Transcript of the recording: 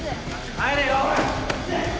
帰れよ！